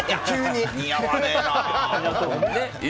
似合わねえなあ。